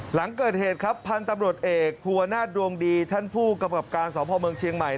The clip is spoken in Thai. หลังเกิดเหตุครับพันธุ์ตำรวจเอกภูวนาศดวงดีท่านผู้กำกับการสพเมืองเชียงใหม่